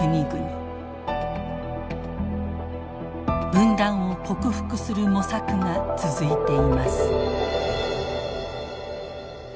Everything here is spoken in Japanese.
分断を克服する模索が続いています。